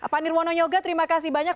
pak nirwono yoga terima kasih banyak